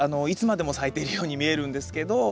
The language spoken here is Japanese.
いつまでも咲いているように見えるんですけど。